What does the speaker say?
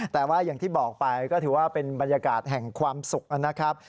แต่ว่าอย่างที่บอกไปก็ถือว่าเป็นบรรยากาศแห่งความสุขนะครับ